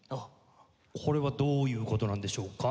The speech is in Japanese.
これはどういう事なんでしょうか？